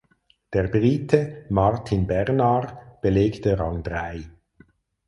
Der Brite Martyn Bernard belegte Rang drei.